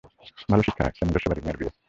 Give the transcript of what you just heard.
ভালো শিক্ষা, একটা নিজস্ব বাড়ি, মেয়ের বিয়ে।